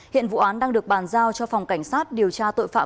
hiện vụ án đang được bàn giao cho phòng cảnh sát điều tra tội phạm